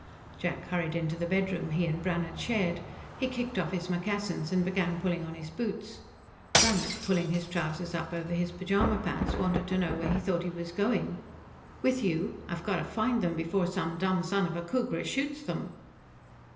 Jack hurried into the bedroom he and Brannhard shared; he kicked off his moccasins and began pulling on his boots. Brannhard, pulling his trousers up over his pajama pants, wanted to know where he thought he was going. "With you. I've got to find them before some dumb son of a Khooghra shoots them."